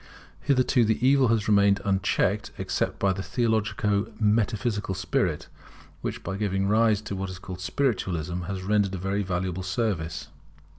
Hitherto the evil has remained unchecked, except by the theologico metaphysical spirit, which, by giving rise to what is called Spiritualism, has rendered a very valuable service.